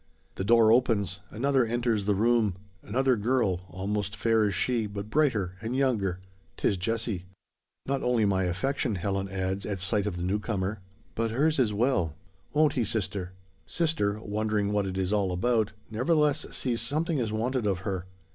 The door opens. Another enters the room another girl, almost fair as she, but brighter, and younger. 'Tis Jessie. "Not only my affection," Helen adds, at sight of the newcomer, "but hers as well. Won't he, sister?" Sister, wondering what it is all about, nevertheless sees something is wanted of her.